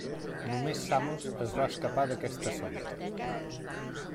Només Samos es va escapar d'aquesta sort.